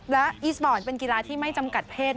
และอีสปอร์ตเป็นกีฬาที่ไม่จำกัดเพศ